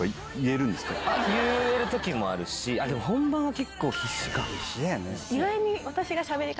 言える時もあるしでも本番は結構必死か。